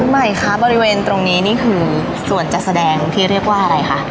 ใหม่คะบริเวณตรงนี้นี่คือส่วนจัดแสดงที่เรียกว่าอะไรคะ